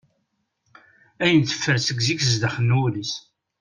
Ayen teffer seg zik s daxel n wul-is.